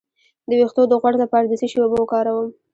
د ویښتو د غوړ لپاره د څه شي اوبه وکاروم؟